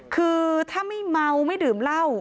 คือถ้าไม่เมาไม่ดื่มเหล้า